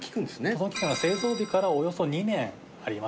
保存期間が製造日からおよそ２年あります。